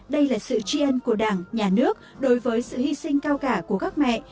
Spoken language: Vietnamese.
đây là sự tri ân của đảng nhà nước đối với sự hy sinh cao cả của các mẹ